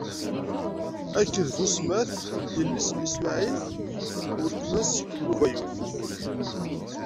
Akked Busmat, yelli-s n Ismaɛil, weltma-s n Nabayut.